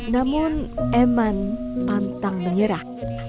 namun eman pantang menyerah